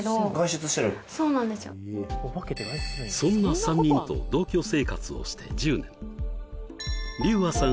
そんな３人と同居生活をして１０年りゅうあさん